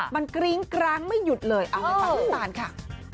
มันกรี๊งกรางไม่หยุดเลยเอาไว้ตามน้ำตาลค่ะ